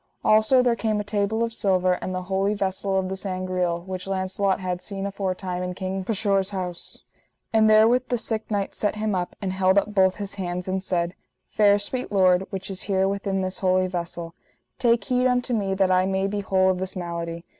Also there came a table of silver, and the holy vessel of the Sangreal, which Launcelot had seen aforetime in King Pescheour's house. And therewith the sick knight set him up, and held up both his hands, and said: Fair sweet Lord, which is here within this holy vessel; take heed unto me that I may be whole of this malady.